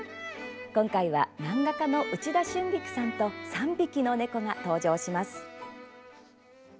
今回は漫画家の内田春菊さんと３匹の猫が登場します。